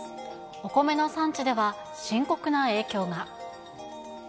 お米の産地では深刻な影響が。